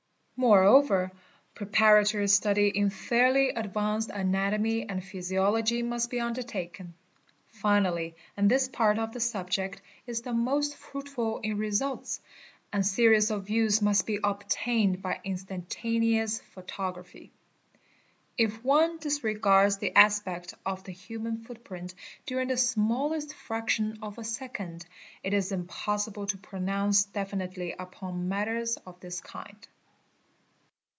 More yer, preparatory study in fairly advanced anatomy and physiology must be undertaken; finally, and this part of the subject is the most fruitful in results, a series of views must be obtained by instantaneous photo raphy. If one disregards the aspect of the human footprint during the smallest fraction of a second, it is impossible to pronounce definitely upon atters of this kind.